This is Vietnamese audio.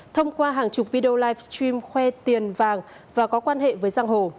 thông qua hàng chục video live stream khoe tiền vàng và có quan hệ với giang hồ